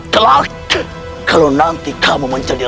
kalau nanti kamu menjadi